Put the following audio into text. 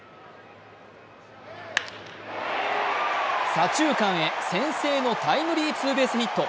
左中間へ先制のタイムリーツーベースヒット。